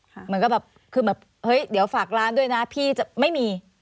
เหมือนกับแบบคือแบบเฮ้ยเดี๋ยวฝากร้านด้วยนะพี่จะไม่มี